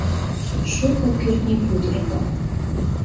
Шуко кӱртньӧ пудырго.